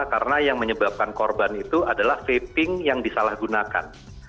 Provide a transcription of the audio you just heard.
karena yang menyebabkan korban itu adalah vaping yang disalahgunakan